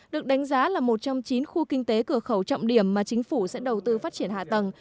được đánh giá là một trong chín khu kinh tế cửa khẩu trọng điểm mà chính phủ sẽ đầu tư phát triển hạ tầng